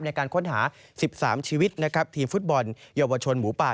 ในการค้นหา๑๓ชีวิตนะครับทีมฟุตบอลเยาวชนหมูป่า